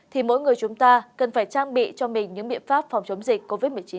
thì mỗi người chúng ta cần phải trang bị cho mình những biện pháp phòng chống dịch covid một mươi chín